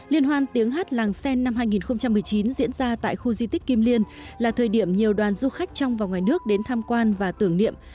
liên hoan tiếng hát làng sen năm hai nghìn một mươi chín diễn ra tại khu di tích kim liên là thời điểm nhiều đoàn du khách trong và ngoài nước đến tham quan và tưởng niệm